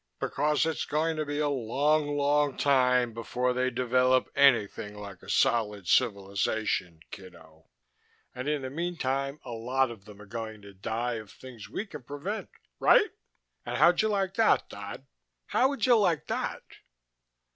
Because it's going to be a long, long time before they develop anything like a solid civilization, kiddo. And in the meantime a lot of them are going to die of things we can prevent. Right? And how'd you like that, Dodd? How would you like that?"